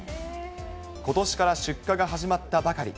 ことしから出荷が始まったばかり。